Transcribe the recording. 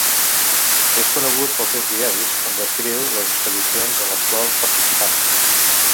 És conegut pels seus diaris, on descriu les expedicions en les quals participà.